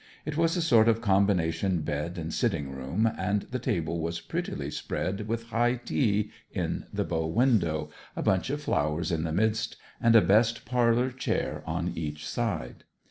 It was a sort of combination bed and sitting room, and the table was prettily spread with high tea in the bow window, a bunch of flowers in the midst, and a best parlour chair on each side.